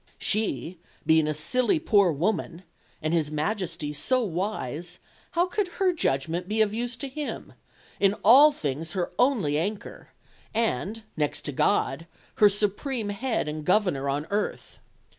She being a silly poor woman, and his Majesty so wise, how could her judgment be of use to him, in all things her only anchor, and, next to God, her supreme head and governor on earth?